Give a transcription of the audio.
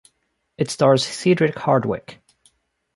It stars Cedric Hardwicke.